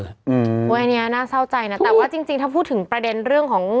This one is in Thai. อันนี้น่าเศร้าใจนะแต่ว่าจริงถ้าพูดถึงประเด็นเรื่องของ